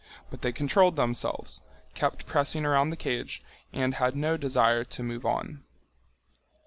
But they controlled themselves, kept pressing around the cage, and had no desire to move on.